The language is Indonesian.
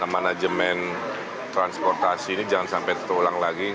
manajemen transportasi ini jangan sampai terulang lagi